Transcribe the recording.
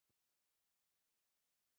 د کولرا د نارغۍ عامل یو ډول ویبریون دی.